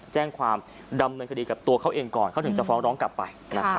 แจ้งความดำเนินคดีกับตัวเขาเองก่อนเขาถึงจะฟ้องร้องกลับไป